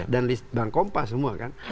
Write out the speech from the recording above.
dan list bank kompa semua kan